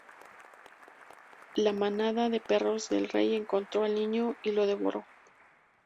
La manada de perros del rey encontró al niño y lo devoró.